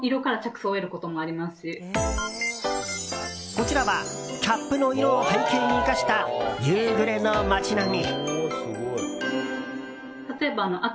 こちらはキャップの色を背景に生かした夕暮れの街並み。